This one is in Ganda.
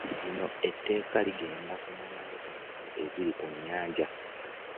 Lino etteeka ligenda kumalawo entalo eziri ku nnyanja.